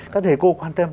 các thầy cô quan tâm